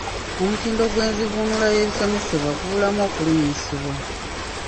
Omutindo gw’enzivuunula y’ebisomesebwa gubulamu okulinnyisibwa.